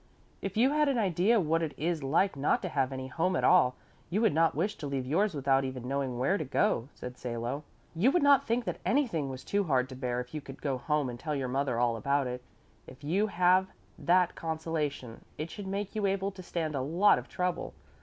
"If you had an idea what it is like not to have any home at all, you would not wish to leave yours without even knowing where to go," said Salo. "You would not think that anything was too hard to bear if you could go home and tell your mother all about it. If you have that consolation, it should make you able to stand a lot of trouble.